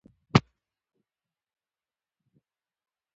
موږ په تېرو کلونو کې ډېر پرمختګ کړی و.